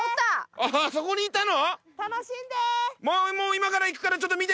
あっそこにいたの？